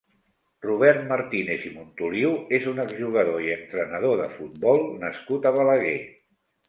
Robert Martínez i Montoliu és un ex-jugador i entrenador de futbol nascut a Balaguer.